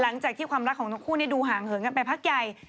หลังจากที่ความรักของทั้งคู่ดูห่างเหินกันไปพักใหญ่